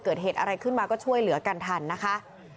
เกิดเหตุอะไรขึ้นมาก็ช่วยเหลือกันทันนะคะ